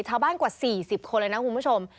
ชาวบ้านกว่า๔๐คนเลยนะคุณผู้ชม